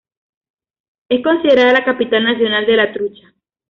Es considerada la capital nacional de la trucha.